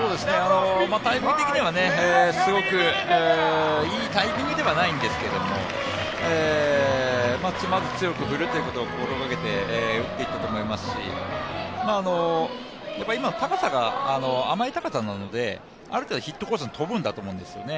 タイミング的にはすごくいいタイミングではないんですけど、まず強く振るということを心がけて打っていったと思いますし今、高さが甘い高さなのである程度ヒットコースに飛ぶんだと思うんですよね。